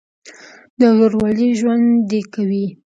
د ورورولۍ ژوند دې کوي.